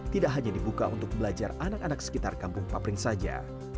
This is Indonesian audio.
tidak hanya dibuka untuk belajar anak anak sekitar kampung papring saja